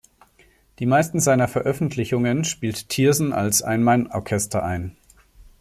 Die meisten seiner Veröffentlichungen spielt Tiersen als „Ein-Mann-Orchester“ ein.